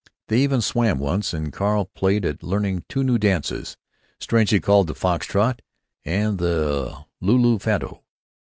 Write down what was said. They even swam, once, and Carl played at learning two new dances, strangely called the "fox trot" and the "lu lu fado."